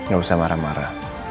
gak usah marah marah